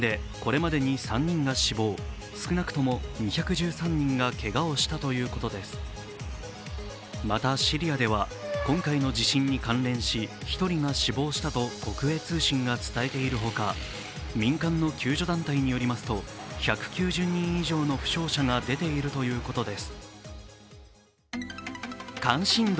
また、シリアでは今回の地震に関連し１人が死亡したと国営通信が伝えているほか民間の救助団体によりますと、１９０人以上の負傷者が出ているということです。